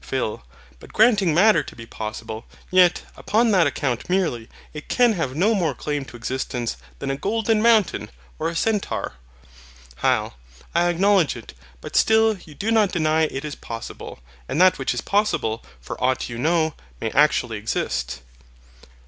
PHIL. But granting Matter to be possible, yet, upon that account merely, it can have no more claim to existence than a golden mountain, or a centaur. HYL. I acknowledge it; but still you do not deny it is possible; and that which is possible, for aught you know, may actually exist.